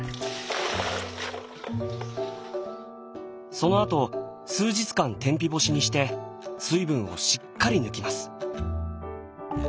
そのあと数日間天日干しにして水分をしっかり抜きます。